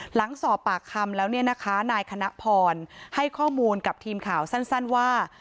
หลังสอบปากคำแล้วเนี่ยนะคะนายคณะพรให้ข้อมูลกับทีมข่าวสั้นว่า